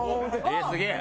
えっすげえ！